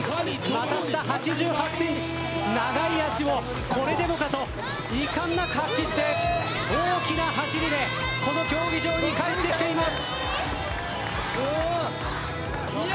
股下８８ｃｍ長い足をこれでもかといかんなく発揮して大きな走りでこの競技場に帰ってきています。